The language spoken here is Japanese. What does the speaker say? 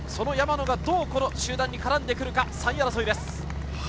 山野がどう集団に絡んでくるか、３位争いです。